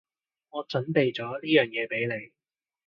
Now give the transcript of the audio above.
我準備咗呢樣嘢畀你